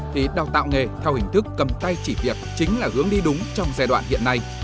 thì đào tạo nghề theo hình thức cầm tay chỉ việc chính là hướng đi đúng trong giai đoạn hiện nay